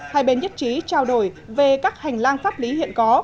hai bên nhất trí trao đổi về các hành lang pháp lý hiện có